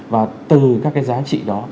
và từ các cái giá trị đó